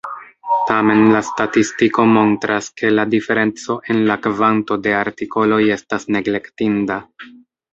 Tamen la statistiko montras, ke la diferenco en la kvanto de artikoloj estas neglektinda.